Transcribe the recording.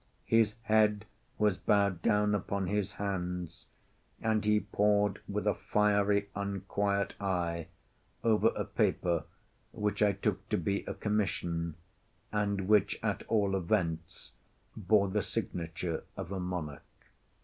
His head was bowed down upon his hands, and he pored, with a fiery unquiet eye, over a paper which I took to be a commission, and which, at all events, bore the signature of a monarch.